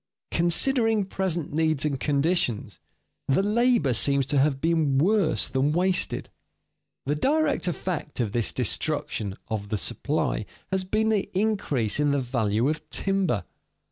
Considering present needs and conditions, the labor seems to have been worse than wasted. [Sidenote: Effects on value of timber] The direct effect of this destruction of the supply has been the increase in the value of timber.